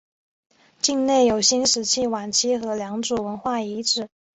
境内有新石器晚期和良渚文化遗址。